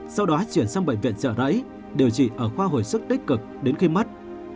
sau đó chuyển sang bệnh viện trợ rẫy điều trị ở khoa hồi sức tích cực đến khi mất